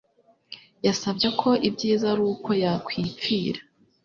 yasabye ko ibyiza ari uko yakwipfira